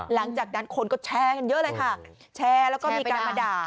หลังจากนั้นคนก็แชร์กันเยอะเลยค่ะแชร์แล้วก็มีการมาด่า